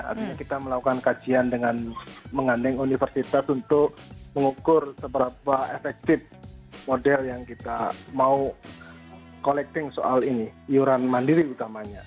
artinya kita melakukan kajian dengan mengandeng universitas untuk mengukur seberapa efektif model yang kita mau collecting soal ini iuran mandiri utamanya